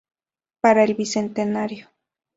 Para el bicentenario.